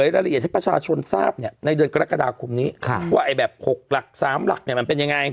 รายละเอียดให้ประชาชนทราบในเดือนกรกฎาคมนี้ว่าแบบ๖หลัก๓หลักเนี่ยมันเป็นยังไง